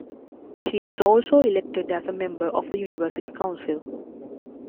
She was also elected as a member of the University Council.